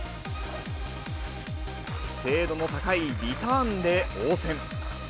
精度の高いリターンで応戦。